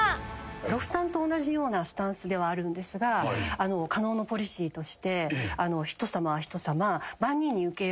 呂布さんと同じようなスタンスではあるんですが叶のポリシーとして人さまは人さま。